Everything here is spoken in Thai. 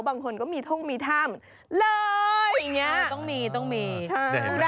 บางคนก็มีท่องมีท่ามันเลยอย่างนี้